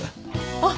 あっ！